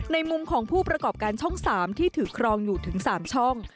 มุมของผู้ประกอบการช่อง๓ที่ถือครองอยู่ถึง๓ช่อง